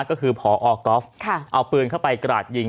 ก็คือพอก๊อฟเอาปืนเข้าไปกราดยิง